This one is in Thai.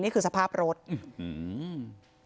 โดยสภาพรถอือฮือ